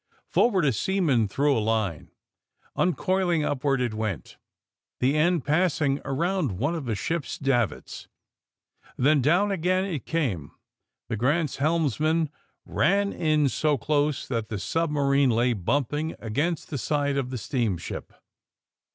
Forward a seaman threw a line. Uncoiling, upward it went, the end passing around one of the ship's davits. Then down again it came. The *^ Grant's" helmsman ran in so close that the submarine lay bumping against the side of the steamship.